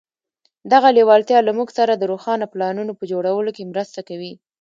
دغه لېوالتیا له موږ سره د روښانه پلانونو په جوړولو کې مرسته کوي.